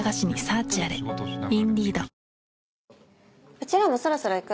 うちらもそろそろ行く？